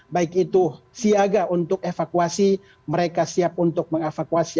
baik itu siaga untuk evakuasi mereka siap untuk mengevakuasi